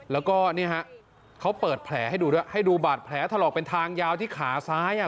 แล้วก็เนี่ยฮะเขาเปิดแผลให้ดูด้วยให้ดูบาดแผลถลอกเป็นทางยาวที่ขาซ้ายอ่ะ